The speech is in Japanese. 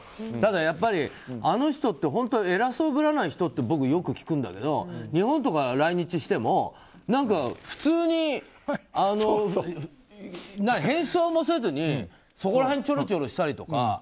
ただやっぱり、あの人って偉そうぶらない人って僕はよく聞くんだけど日本とかに来日しても普通に変装もせずにそこら辺チョロチョロしたりとか。